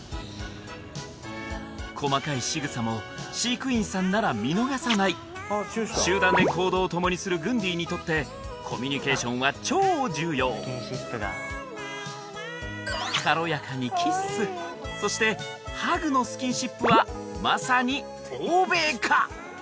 細かいしぐさも飼育員さんなら見逃さない集団で行動を共にするグンディにとってコミュニケーションは超重要軽やかにキッスそしてハグのスキンシップはまさに欧米か！